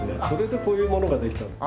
それでこういうものができた。